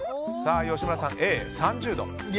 吉村さん、Ａ、３０度。